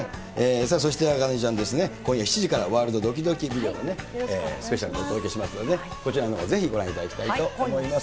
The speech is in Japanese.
そして茜ちゃんですね、今夜７時からワールドドキドキビデオをね、スペシャルでお届けしますので、こちらのほう、ぜひご覧いただきたいと思います。